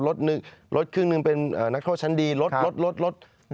รถครึ่งหนึ่งเป็นนักโทษชั้นดีลด